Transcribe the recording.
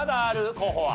候補は。